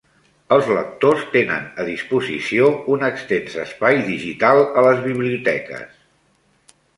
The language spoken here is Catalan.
Els lectors tenen a disposició un extens espai digital a les biblioteques